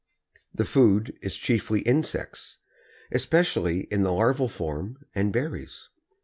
The food is chiefly insects, especially in the larval form, and berries.